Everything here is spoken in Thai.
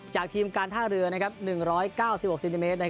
ทีมการท่าเรือ๑๙๖เซนติเมตร